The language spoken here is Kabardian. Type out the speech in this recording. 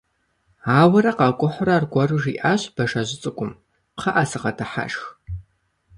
Ауэрэ къакӀухьурэ аргуэру жиӀащ Бажэжь цӀыкӀум: «КхъыӀэ, сыгъэдыхьэшх».